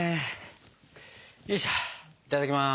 いただきます！